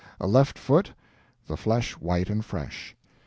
A left foot, the flesh white and fresh.